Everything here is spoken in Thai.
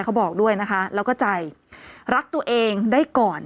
เขาบอกด้วยนะคะแล้วก็ใจรักตัวเองได้ก่อน